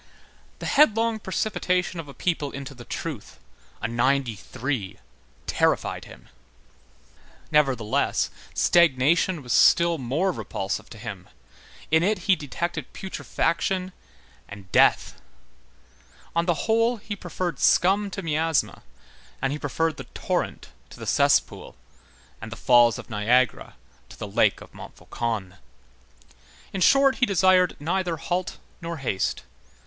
The headlong precipitation of a people into the truth, a '93, terrified him; nevertheless, stagnation was still more repulsive to him, in it he detected putrefaction and death; on the whole, he preferred scum to miasma, and he preferred the torrent to the cesspool, and the falls of Niagara to the lake of Montfaucon. In short, he desired neither halt nor haste.